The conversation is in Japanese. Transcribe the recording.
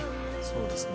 そうですね。